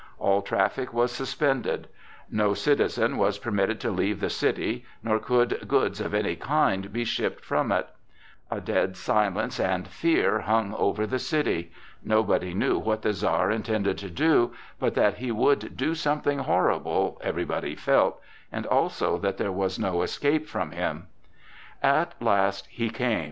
All traffic was suspended. No citizen was permitted to leave the city, nor could goods of any kind be shipped from it. A dead silence and fear hung over the city. Nobody knew what the Czar intended to do, but that he would do something horrible, everybody felt, and also that there was no escape from him. At last he came.